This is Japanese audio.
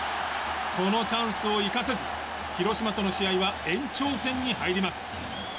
このチャンスを生かせず広島との試合は延長戦に入ります。